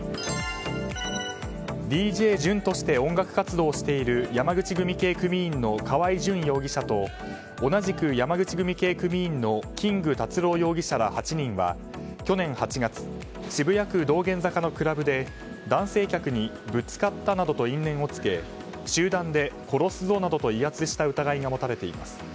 ＤＪＪＵＮとして音楽活動している山口組系組員の川合淳容疑者と同じく山口組系組員のキング辰朗容疑者８人は、去年８月渋谷区道玄坂のクラブで男性客にぶつかったなどと因縁をつけ集団で殺すぞなどと威圧した疑いが持たれています。